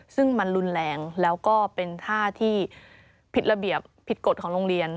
ซึ่งมันรุนแรงแล้วก็เป็นท่าที่ผิดระเบียบผิดกฎของโรงเรียน